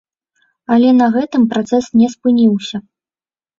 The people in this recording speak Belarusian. Але на гэтым працэс не спыніўся.